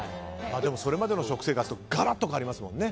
でも、それまでの食生活とガラッと変わりますもんね。